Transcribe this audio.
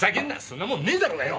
そんなもんねえだろうがよ！